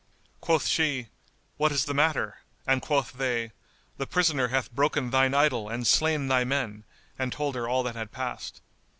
Quoth she, "What is the matter?" and quoth they, "The prisoner hath broken thine idol and slain thy men," and told her all that had passed.